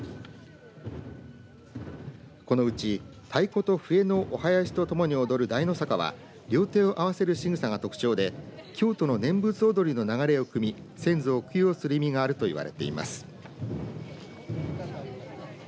このうち太鼓と笛のお囃子とともに踊る大の坂は両手を合わせるしぐさが特徴で京都の念仏踊りの流れをくみ先祖を供養する意味があるといわれています。